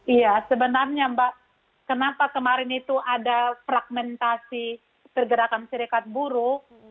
iya sebenarnya mbak kenapa kemarin itu ada fragmentasi pergerakan serikat buruh